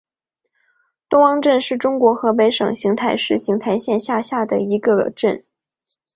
东汪镇是中国河北省邢台市邢台县下辖的一个镇。